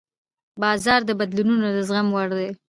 بازار د بدلونونو د زغم وړ وي.